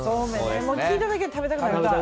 聞いただけで食べたくなる！